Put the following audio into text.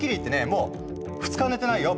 もう２日寝てないよ